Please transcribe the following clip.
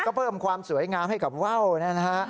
ก็เพิ่มความสวยงามให้กับว่าวนะฮะ